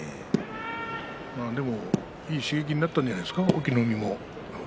いい刺激になったんじゃないですか隠岐の海も。